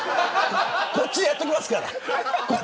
こっちでやっときますから。